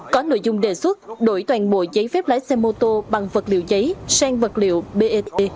có nội dung đề xuất đổi toàn bộ giấy phép lái xe mô tô bằng vật liệu giấy sang vật liệu bat